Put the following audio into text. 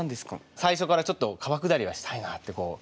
最初からちょっと川下りはしたいなってこう。